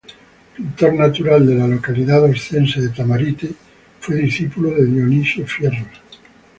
Pintor natural de la localidad oscense de Tamarite, fue discípulo de Dionisio Fierros.